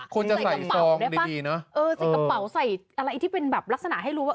ใส่กระเป๋าได้ป่ะเออใส่กระเป๋าใส่อะไรที่เป็นแบบลักษณะให้รู้ว่า